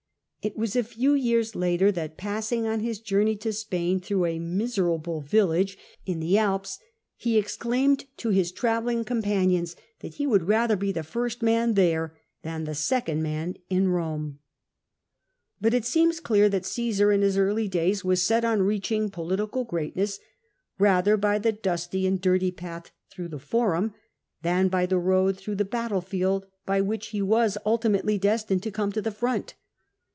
It was a few years later that passing, on his journey to Spain, through a miserable villagci in CJESAE AS DEMAGOGUE 305 the Alps, he exclaimed to his travelling companions that he would rather be the first man there than the second man in Eome. But it seems clear that Cassar in his early days was set on reaching political greatness rather by the dusty and dirty path through the Forum, than by the road through the battlefield, by which he was ultimately destined to come to the front.